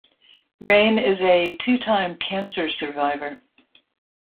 Rehn is a two-time cancer survivor.